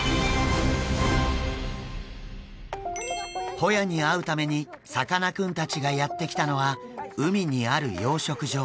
ホヤに会うためにさかなクンたちがやって来たのは海にある養殖場。